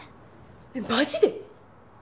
えっマジで！？